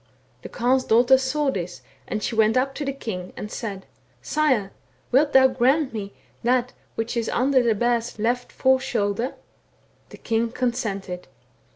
The Carle's daughter saw this, and she went up to the king, and said, —^ Size I wilt thou grant me that which is under the bear's left fore shoulder ?' The king consented.